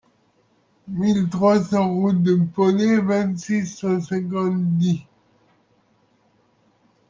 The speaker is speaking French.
mille trois cents route de Ponet, vingt-six, cent cinquante, Die